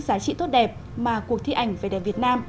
giá trị tốt đẹp mà cuộc thi ảnh về đèn việt nam